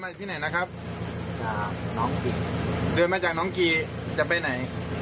จากศรีสักเกตแล้วจะไปไหน